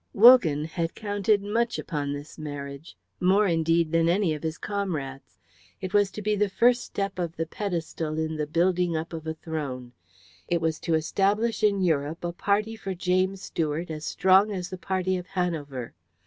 Wogan had counted much upon this marriage, more indeed than any of his comrades. It was to be the first step of the pedestal in the building up of a throne. It was to establish in Europe a party for James Stuart as strong as the party of Hanover.